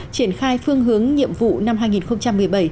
triển khai phương hướng nhiệm vụ năm hai nghìn một mươi bảy